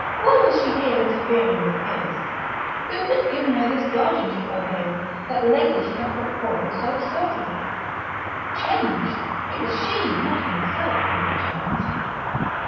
Why was she here interfering with his? Who had given her this guardianship over him that lately she had put forward so assertively? "Changed?" It was she, not himself, who had changed....